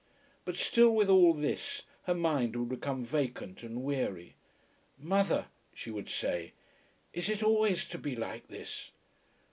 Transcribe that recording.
But still, with all this, her mind would become vacant and weary. "Mother," she would say, "is it always to be like this?"